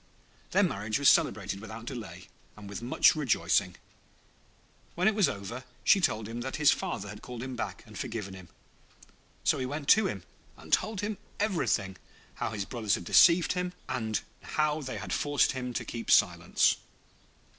Their marriage was celebrated without delay, and with much rejoicing. When it was over, she told him that his father had called him back and forgiven him. So he went to him and told him everything; how his brothers had deceived him, and how they had forced him to keep silence.